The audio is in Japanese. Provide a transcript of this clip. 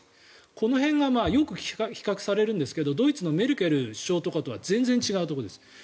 この辺がよく比較されるんですけどドイツのメルケル首相とかとは全然違うところです。